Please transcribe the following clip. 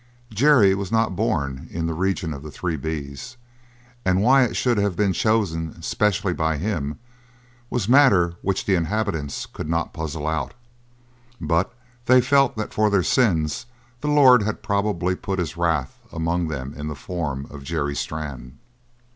Jerry was not born in the region of the Three B's and why it should have been chosen specially by him was matter which the inhabitants could not puzzle out; but they felt that for their sins the Lord had probably put his wrath among them in the form of Jerry Strann.